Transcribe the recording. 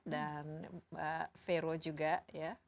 dan vero juga ya